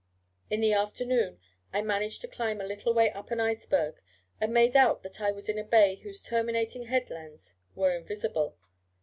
In the afternoon I managed to climb a little way up an iceberg, and made out that I was in a bay whose terminating headlands were invisible.